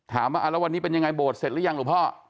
ถามว่าแล้ววันนี้เป็นยังไงโบสถเสร็จหรือยังหลวงพ่อ